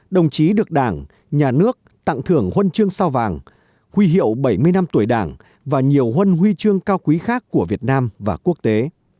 đồng chí được đảng nhà nước tặng thưởng huân chương sao vàng huy hiệu bảy mươi năm tuổi đảng và nhiều huân huy chương cao quý khác của việt nam và quốc tế